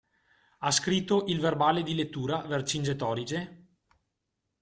Ha scritto il verbale di lettura, Vercingetorige?